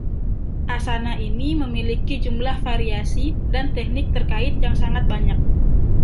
Asana ini memiliki jumlah variasi dan teknik terkait yang sangat banyak.